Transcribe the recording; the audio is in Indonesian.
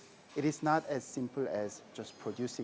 bukan sederhana seperti memproduksi